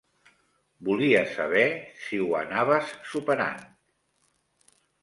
Volia saber si ho anaves superant.